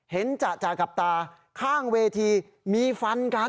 จะจากกับตาข้างเวทีมีฟันกัน